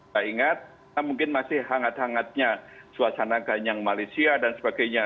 saya ingat mungkin masih hangat hangatnya suasana ganyang malaysia dan sebagainya